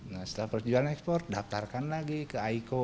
nah setelah persetujuan ekspor daftarkan lagi ke aiko